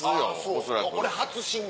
恐らく。